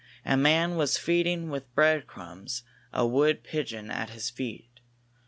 A man was feeding with breadcrumbs a wood pigeon at his feet.